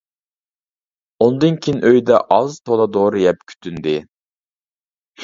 ئۇندىن كېيىن ئۆيدە ئاز تولا دورا يەپ كۈتۈندى.